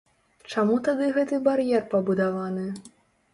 Чаму тады гэты бар'ер пабудаваны?